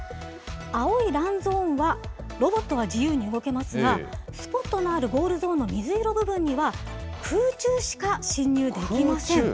青いランゾーンは、ロボットは自由に動けますが、スポットのあるゴールゾーンの水色部分には空中しか侵入できませ空中？